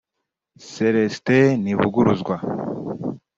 Celestin Ntivuguruzwa